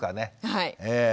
はい。